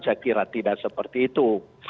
saya kira tidak seperti itu